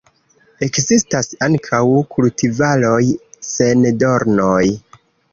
Ekzistas ankaŭ kultivaroj sen dornoj.